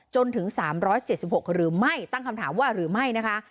จนถึง๓๗๖หรือไม่ตั้งคำถามว่าหรือไม่นะคะ